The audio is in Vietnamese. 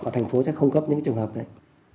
thành phố chắc không cấp những trường hợp này